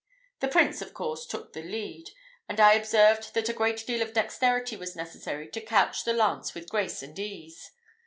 The Prince, of course, took the lead; and I observed that a great deal of dexterity was necessary to couch the lance with grace and ease.